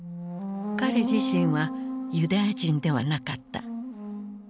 彼自身はユダヤ人ではなかった。